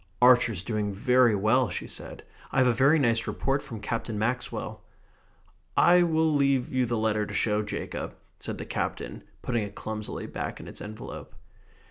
"Archer is doing very well," she said. "I have a very nice report from Captain Maxwell." "I will leave you the letter to show Jacob," said the Captain, putting it clumsily back in its envelope.